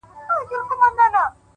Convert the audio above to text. وخت د ارمانونو صداقت څرګندوي,